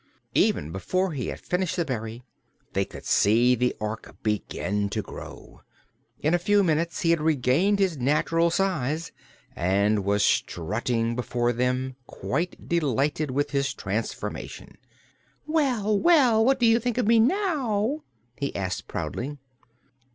Even before he had finished the berry they could see the Ork begin to grow. In a few minutes he had regained his natural size and was strutting before them, quite delighted with his transformation. "Well, well! What do you think of me now?" he asked proudly.